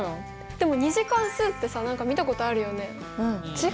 でも「２次関数」ってさ何か見たことあるよね。